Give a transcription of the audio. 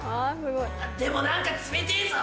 でも何か冷てぇぞ。